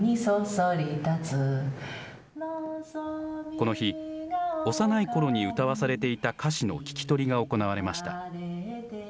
この日、幼いころに歌わされていた歌詞の聞き取りが行われました。